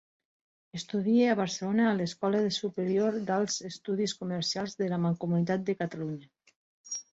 Estudia a Barcelona a l'Escola Superior d'Alts Estudis Comercials de la Mancomunitat de Catalunya.